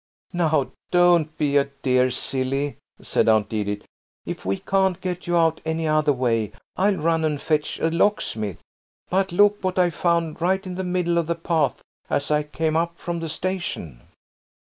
"Now don't be a dear silly," said Aunt Edith. "If we can't get you out any other way I'll run and fetch a locksmith. But look what I found right in the middle of the path as I came up from the station."